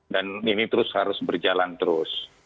dan ini terus harus berjalan terus